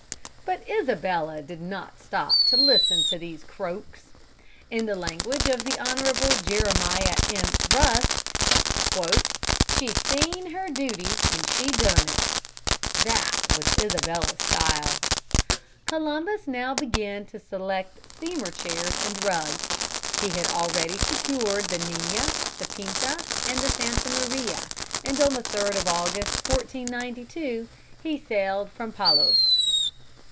But Isabella did not stop to listen to these croaks. In the language of the Honorable Jeremiah M. Rusk, "She seen her duty and she done it." That was Isabella's style. Columbus now began to select steamer chairs and rugs. He had already secured the Niña, Pinta, and Santa Maria, and on the 3d of August, 1492, he sailed from Palos.